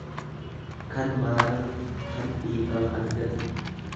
kan maarame, kan dhiifama argate.